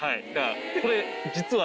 これ実は。